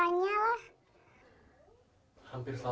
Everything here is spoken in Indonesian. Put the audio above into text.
karena hasilnya pun bercerai